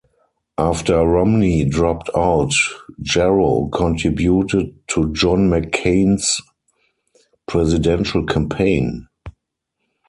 After Romney dropped out Yarro contributed to John McCain's presidential campaign.